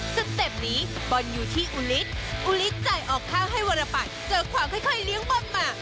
สเต็ปนี้บอลอยู่ที่อุฤทธิอุลิสจ่ายออกข้าวให้วรปัตย์เจอขวางค่อยเลี้ยงบอลมา